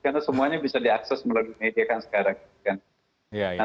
karena semuanya bisa diakses melalui media kan sekarang